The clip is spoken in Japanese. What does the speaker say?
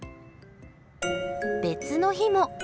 別の日も。